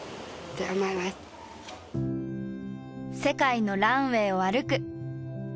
世界のランウェイを歩く。